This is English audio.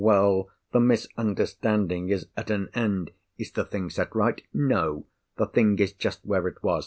Well! the misunderstanding is at an end. Is the thing set right? No! the thing is just where it was.